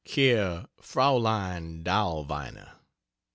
Care Fraulein Dahlweiner.